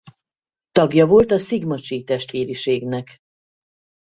Tagja volt a Sigma Chi testvériségnek.